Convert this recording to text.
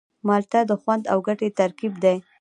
مالټه د خوند او ګټې ترکیب دی.